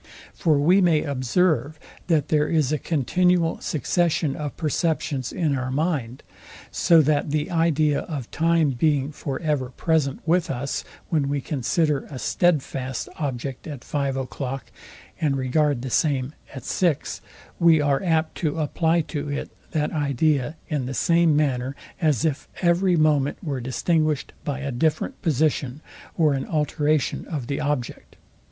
For we may observe, that there is a continual succession of perceptions in our mind; so that the idea of time being for ever present with us; when we consider a stedfast object at five a clock, and regard the same at six; we are apt to apply to it that idea in the same manner as if every moment were distinguished by a different position, or an alteration of the object.